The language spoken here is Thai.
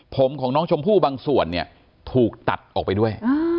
ผมของน้องชมพู่บางส่วนเนี่ยถูกตัดออกไปด้วย